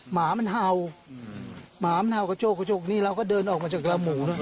หมามันเห่าหมามันเห่ากระโจกนี้เราก็เดินออกมาจากราวหมูนะ